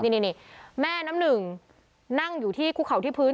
นี่แม่น้ำหนึ่งนั่งอยู่ที่คุกเขาที่พื้น